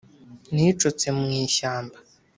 nicotse mu ishyamba